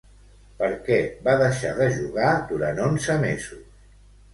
Per què va deixar de jugar durant onze mesos?